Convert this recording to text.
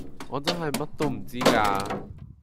我真係乜都唔知㗎